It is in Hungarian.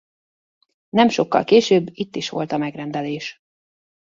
Nem sokkal később itt is volt a megrendelés.